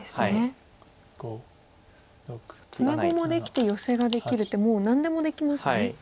詰碁もできてヨセができるってもう何でもできますね。